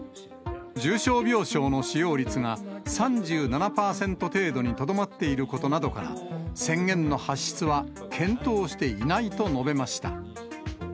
重症病床の使用率が、３７％程度にとどまっていることなどから、宣言の発出は検討していないと述べました。